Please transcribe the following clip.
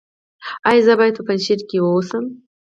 ایا زه باید په پنجشیر کې اوسم؟